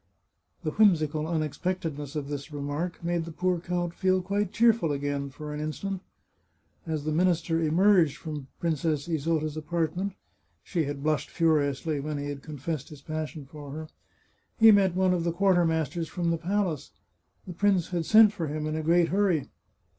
The whimsical unexpectedness of this remark made the poor count feel quite cheerful again, for an instant. As the minister emerged from Princess Isota's apartment (she had blushed furiously when he had confessed his passion for her), he met one of the quartermasters from the palace. The prince had sent for him in a great hurry.